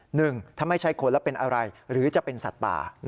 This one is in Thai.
หนึ่งถ้าไม่ใช่คนแล้วเป็นอะไรหรือจะเป็นสัตว์ป่า